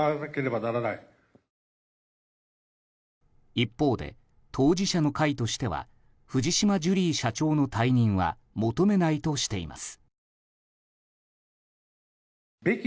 一方で、当事者の会としては藤島ジュリー社長の退任は求めないとしています。